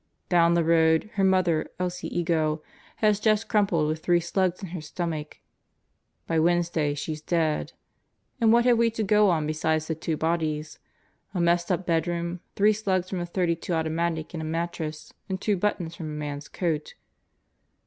Down the road her mother, Elsie Ego, has just crumpled with three slugs in her stomach. By Wednesday she's dead. And what have we got to go on besides the two bodies? A messed up bedroom, three slugs from a .32 auto matic in a mattress, and two buttons from a man's coat."